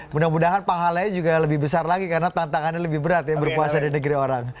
mudah mudahan pahalanya juga lebih besar lagi karena tantangannya lebih berat ya berpuasa di negeri orang